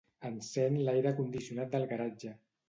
Encén l'aire condicionat del garatge.